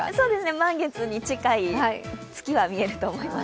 満月に近い月は見られると思います。